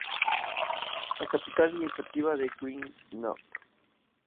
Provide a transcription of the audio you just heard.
La capital administrativa es Greenock.